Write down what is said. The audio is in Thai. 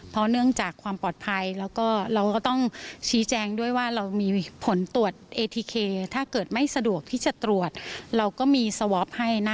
พื้นที่รองรับได้เยอะไหมครับ